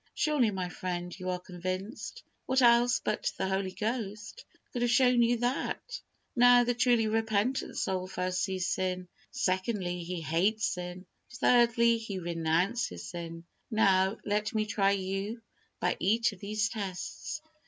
Surely, my friend, you are convinced. What else but the Holy Ghost could have shown you that? Now, the truly repentant soul first sees sin; secondly, he hates sin; thirdly, he renounces sin. Now, let me try you by each of these tests.